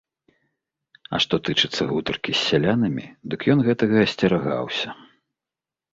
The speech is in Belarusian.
А што тычыцца гутаркі з сялянамі, дык ён гэтага асцерагаўся.